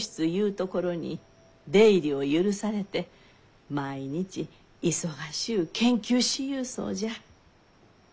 ところに出入りを許されて毎日忙しゅう研究しゆうそうじゃ。